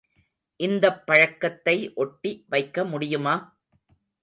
இந்தப்பழத்தை ஒட்டி வைக்க முடியுமா?